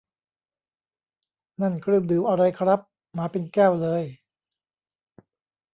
นั่นเครื่องดื่มอะไรครับ มาเป็นแก้วเลย